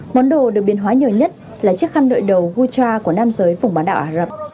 món đồ được biến hóa nhiều nhất là chiếc khăn đội đầu kutra của nam giới phủng bán đạo ả rập